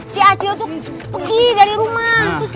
si acil tuh pergi dari rumah